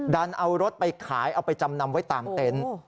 ดันเอารถไปขายเอาไปจำนำไว้ตามเต็นต์